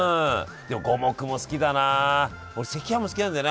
でも五目も好きだな。